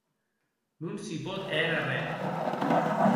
Non s'i pòt hèr arren.